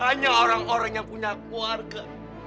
hanya orang orang yang punya keluarga